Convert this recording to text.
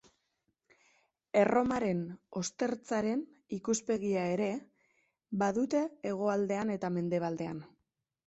Erromaren ostertzaren ikuspegia ere badute hegoaldean eta mendebaldean.